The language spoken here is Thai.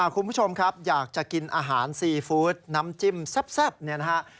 คุณผู้ชมครับอยากจะกินอาหารซีฟู้ดน้ำจิ้มแซ่บเนี่ยนะฮะ